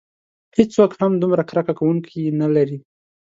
هیڅوک هم دومره کرکه کوونکي نه لري.